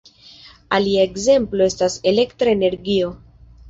Alia ekzemplo estas elektra energio.